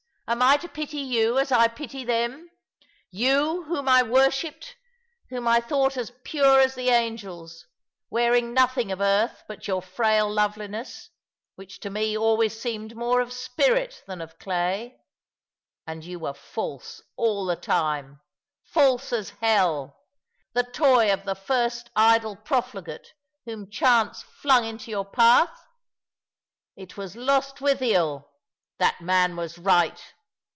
Am I to pity you, as I pity them ? You, whom I v/orshipped — whom I thought as pure as the angels — wearing nothing of earth but your frail loveliness, which to me always seemed more of spirit than of clay. And you were false all the time false as hell — the toy of the first idle profligate whom chance flung into your path ? It was Lostwithiel ! That man was right.